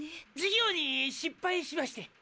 事業に失敗しまして。